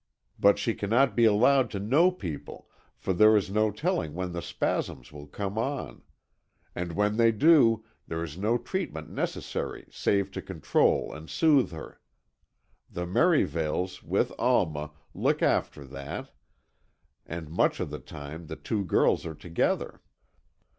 But she cannot be allowed to know people for there is no telling when the spasms will come on. And when they do there is no treatment necessary save to control and soothe her. The Merivales, with Alma, look after that, and much of the time the two girls are together."